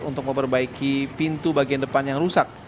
untuk memperbaiki pintu bagian depan yang rusak